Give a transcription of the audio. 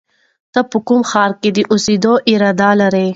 ته په کوم ښار کې د اوسېدو اراده لرې؟